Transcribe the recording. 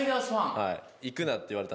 はい。